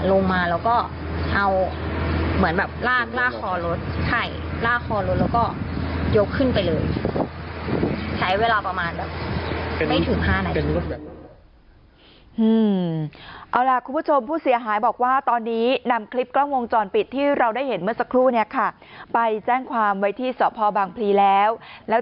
ลงมาแล้วก็เอาเหมือนแบบลากลากคอรถลากคอรถแล้วก็ยกขึ้นไปเลย